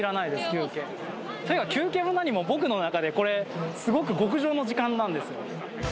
休憩というか休憩も何も僕の中でこれすごく極上の時間なんですよ